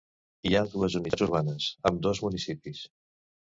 Hi ha dues unitats urbanes, ambdós municipis.